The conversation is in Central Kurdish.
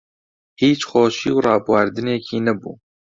هیچ خۆشی و ڕابواردنێکی نەبوو